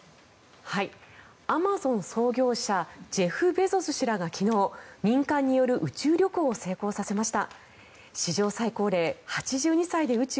アマゾン創業者ジェフ・ベゾス氏らが昨日民間による宇宙旅行を成功させました。